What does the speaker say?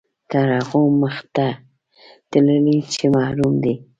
تر هغو مخته تللي چې محروم دي.